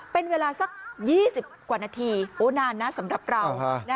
เป็นเวลาสัก๒๐กว่านาทีนานนะสำหรับเรา